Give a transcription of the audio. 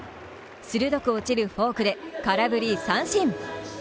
鋭く落ちるフォークで空振り三振。